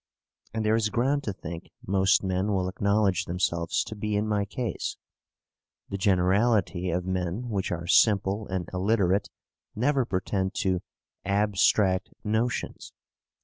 And there is ground to think most men will acknowledge themselves to be in my case. The generality of men which are simple and illiterate never pretend to ABSTRACT NOTIONS.